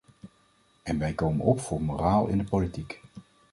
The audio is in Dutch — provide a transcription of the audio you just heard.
En wij komen op voor moraal in de politiek.